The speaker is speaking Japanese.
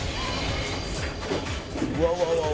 「うわうわうわうわ」